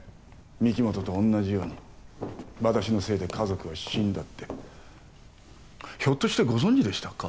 御木本と同じように私のせいで家族は死んだってひょっとしてご存じでしたか？